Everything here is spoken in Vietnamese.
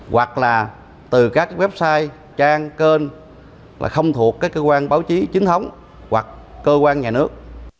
hoặc là từ các website trang kênh là không thuộc các cơ quan báo chí chính thống hoặc cơ quan nhà nước